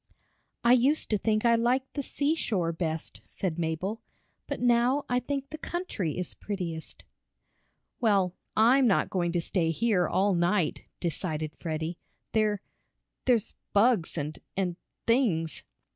"I used to think I liked the seashore best," said Mabel, "but now I think the country is prettiest." "Well, I'm not going to stay here all night," decided Freddie. "There there's bugs and and things!"